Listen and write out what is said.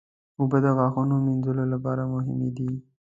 اوبه د غاښونو مینځلو لپاره مهمې دي.